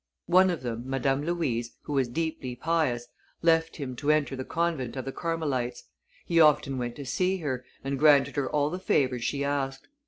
One of them, Madame Louise, who was deeply pious, left him to enter the convent of the Carmelites; he often went to see her, and granted her all the favors she asked.